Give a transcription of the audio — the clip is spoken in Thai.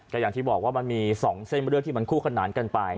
ก็อย่างที่บอกว่ามันมี๒เส้นเรื่องที่มันคู่ขนานกันไป